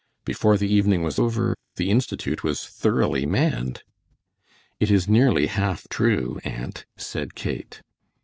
Before the evening was over the Institute was thoroughly manned." "It is nearly half true, aunt," said Kate.